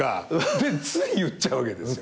でつい言っちゃうわけですよ。